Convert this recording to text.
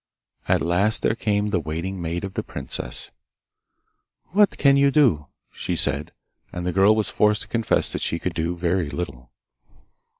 At last there came the waiting maid of the princess. 'What can you do?' she said; and the girl was forced to confess that she could do very little.